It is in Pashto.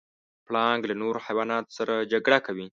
پړانګ له نورو حیواناتو سره جګړه کوي.